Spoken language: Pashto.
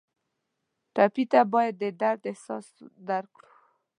ټپي ته باید د درد احساس درکړو.